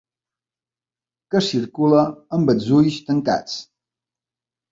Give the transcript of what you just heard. Que circula amb els ulls tancats.